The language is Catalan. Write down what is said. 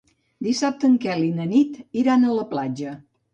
Dissabte en Quel i na Nit iran a la platja.